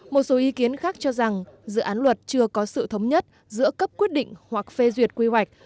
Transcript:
một số ý kiến khác cho rằng dự án luật chưa có sự thống nhất giữa cấp quyết định hoặc phê duyệt quy hoạch